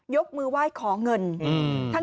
ยกมือไหว้ขอเงิน